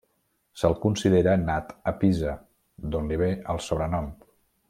Se'l considera nat a Pisa, d'on li ve el sobrenom.